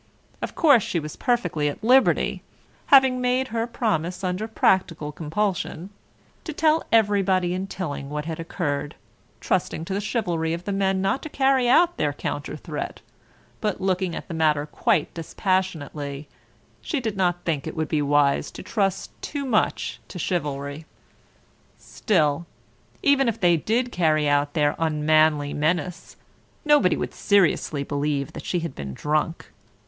Of course she was perfectly at liberty (having made her promise under practical compulsion) to tell everybody in Tilling what had occurred, trusting to the chivalry of the men not to carry out their counter threat, but looking at the matter quite dispassionately, she did not think it would be wise to trust too much to chivalry. Still, even if they did carry out their unmanly menace, nobody would seriously believe that she had been drunk.